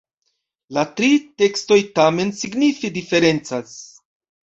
La tri tekstoj tamen signife diferencas.